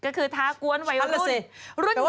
ก็คือท้ากวนวัยรุ่น